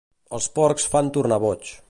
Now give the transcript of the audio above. Els porcs fan tornar boig.